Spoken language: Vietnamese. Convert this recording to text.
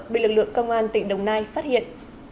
bị lực lượng công an tỉnh đồng nai phát hiện